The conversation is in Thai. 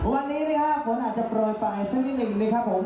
วันนี้ฝนอาจจะปล่อยไปซึ่งนิดหนึ่งนะครับผม